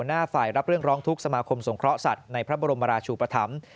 หน้าฝ่ายรับเรื่องร้องทุกข์สมาคมสงเคราะห์สัตว์ในพระบรมราชูปธรรม